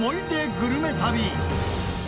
グルメ旅。